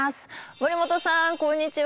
森本さんこんにちは。